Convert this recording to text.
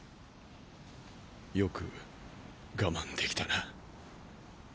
よく我慢できたな。